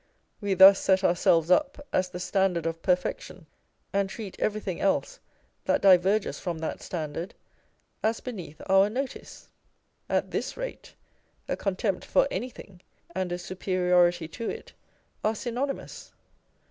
We thus set ourselves up as the standard of perfec tion, and treat everything else that diverges from that standard as beneath our notice. At this rate, a contempt for anything and a superiority to it are synonymous.